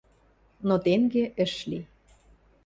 Но тенге ӹш ли.